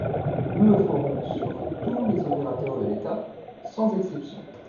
Nous le ferons sur tous les opérateurs de l’État, sans exception.